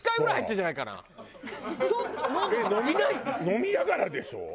飲みながらでしょ？